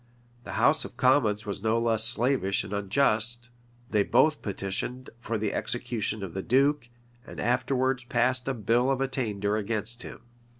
The house of commons were no less slavish and unjust: they both petitioned for the execution of the duke, and afterwards passed a bill of attainder against him.